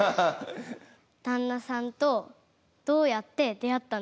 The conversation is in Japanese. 旦那さんとどうやって出会ったんですか？